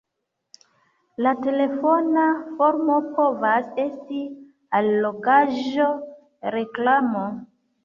La telefona formo povas esti allogaĵo, reklamo.